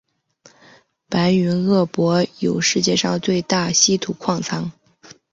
白云鄂博有世界上最大稀土矿藏。